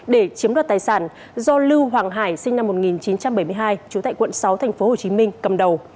để chiếm đoạt tài sản do lưu hoàng hải sinh năm một nghìn chín trăm bảy mươi hai trú tại quận sáu tp hcm cầm đầu